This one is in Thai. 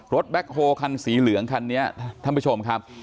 แบ็คโฮคันสีเหลืองคันนี้ท่านผู้ชมครับ